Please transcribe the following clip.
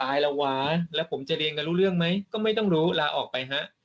อาจารย์คงน้อยใจแหละก็มากัน๖คนเองค่ะ